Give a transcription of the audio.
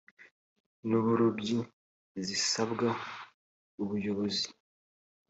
n’uburobyi zisabwa ubuyobozi